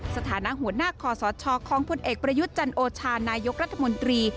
สถานะหัวหน้าคอสชของพลเอกประยุทธ์จันโอชานายกรัฐมนตรี